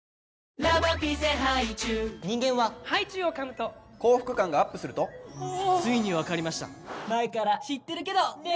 人間はハイチュウをかむと幸福感がＵＰするとついに分かりました前から知ってるけどねー！